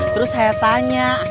terus saya tanya